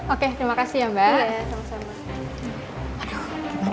oke terima kasih ya mbak